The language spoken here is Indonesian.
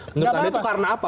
menurut anda itu karena apa